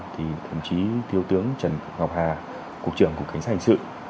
thì thậm chí tiêu tướng trần ngọc hà cục trưởng cục cánh sản hình sự